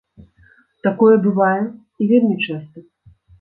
Такое бывае, і вельмі часта.